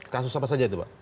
kasus apa saja itu pak